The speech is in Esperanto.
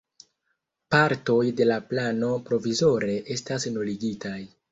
Partoj de la plano provizore estas nuligitaj.